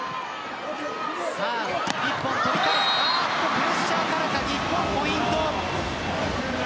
プレッシャーからか日本ポイント。